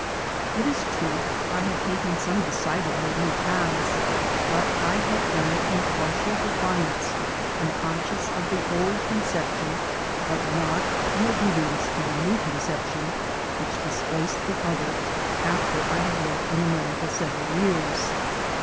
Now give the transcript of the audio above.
It is true I had taken some decidedly new paths, but I had done it in partial defiance, unconscious of the old conception, but not in obedience to the new con ception which displaced the other after I had lived in America several years.